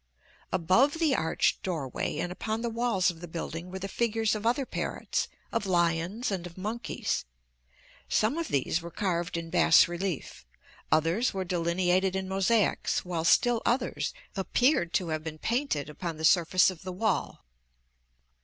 Above the arched doorway and upon the walls of the building were the figures of other parrots, of lions, and of monkeys. Some of these were carved in bas relief; others were delineated in mosaics, while still others appeared to have been painted upon the surface of the wall.